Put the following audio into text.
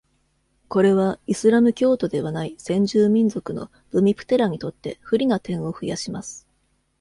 これは、イスラム教徒ではない先住民族のブミプテラにとって不利な点を増やします。